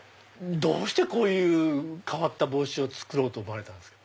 どうしてこういう変わった帽子を作ろうと思われたんですか？